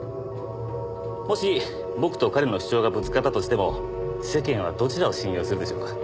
もし僕と彼の主張がぶつかったとしても世間はどちらを信用するでしょうか？